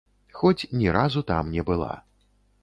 Хоць ні разу там не была.